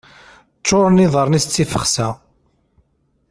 Ččuren yiḍarren-is d tifexsa.